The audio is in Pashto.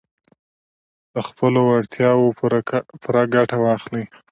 له خپلو وړتیاوو پوره ګټه واخلئ.